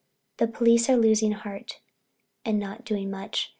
The police are losing heart and not doing much.